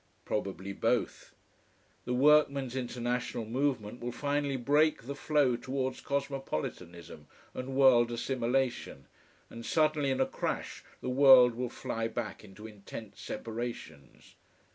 Probably both. The workman's International movement will finally break the flow towards cosmopolitanism and world assimilation, and suddenly in a crash the world will fly back into intense separations.